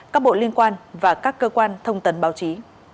các bộ liên quan và các cơ quan thông tấn báo chí